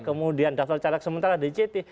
kemudian daftar caleg sementara di ceti